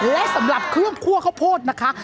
และสำหรับเครื่องคั่วข้าวโพดนะคะ